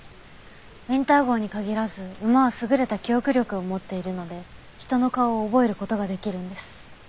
ウィンター号に限らず馬は優れた記憶力を持っているので人の顔を覚える事ができるんです。